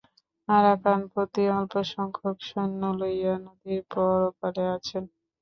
আরাকানপতি অল্পসংখ্যক সৈন্য লইয়া নদীর পরপারে আছেন।